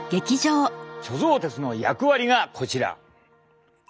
貯蔵鉄の役割がこちら。